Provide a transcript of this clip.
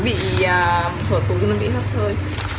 đấy đúng không